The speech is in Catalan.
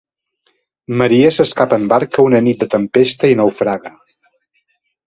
Maria s’escapa en barca una nit de tempesta i naufraga.